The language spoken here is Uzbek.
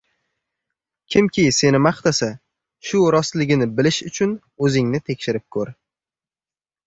Kimki seni maqtasa, shu rostligini bilish uchun o‘zingni tekshirib ko‘r